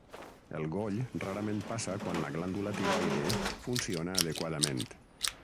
El goll rarament passa quan la glàndula tiroide funciona adequadament.